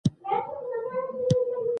وخت خوشي مه تېروئ.